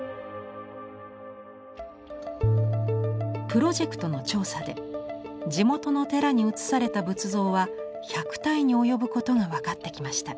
プロジェクトの調査で地元の寺に移された仏像は１００体に及ぶことが分かってきました。